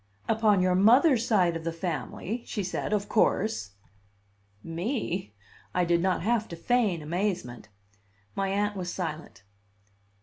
"Upon your mother's side of the family," she said, "of course." "Me!" I did not have to feign amazement. My Aunt was silent.